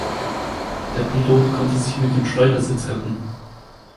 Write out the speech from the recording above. Der Pilot konnte sich mit dem Schleudersitz retten.